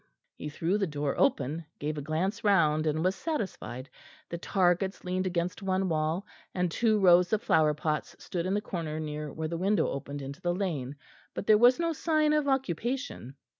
He threw the door open, gave a glance round, and was satisfied. The targets leaned against one wall, and two rows of flower pots stood in the corner near where the window opened into the lane, but there was no sign of occupation.